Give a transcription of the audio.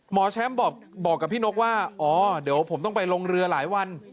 หมอแชมป์บอกกับพี่นกว่าอ๋อเดี๋ยวผมต้องไปลงเรือหลายวัน